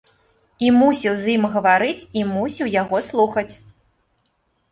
І мусіў з ім гаварыць, і мусіў яго слухаць.